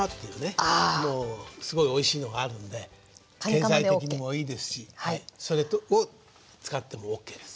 経済的にもいいですしそれを使ってもオッケーです。